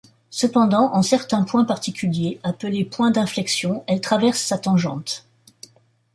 Cependant, en certains points particuliers, appelés points d'inflexion elle traverse sa tangente.